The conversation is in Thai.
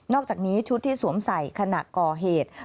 อกจากนี้ชุดที่สวมใส่ขณะก่อเหตุ